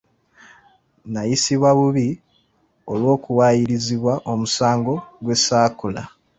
Nayisibwa bubi olw’okuwaayirizibwa omusango gwe saakola.